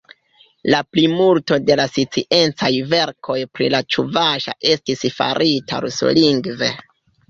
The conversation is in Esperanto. La plimulto de la sciencaj verkoj pri la ĉuvaŝa estis farita ruslingve.